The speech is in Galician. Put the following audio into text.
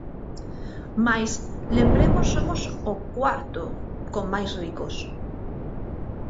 Mais, lembremos somos o cuarto con máis ricos.